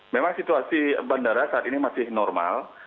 memang situasi bandara saat ini masih normal